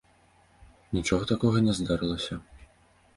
Нічога такога не здарылася.